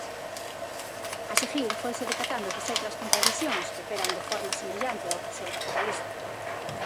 A seguir foise decatando desoutras contradicións que operan de forma semellante á opresión capitalista.